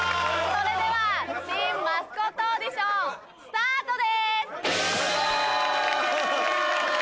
それでは新マスコットオーディションスタートです！